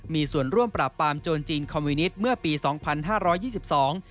มีส่วนร่วมปราบปรามโจรจีนคอมมิวนิตเมื่อปีสองพันห้าร้อยยี่สิบสอง